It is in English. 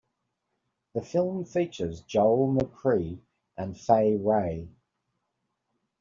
The film features Joel McCrea and Fay Wray.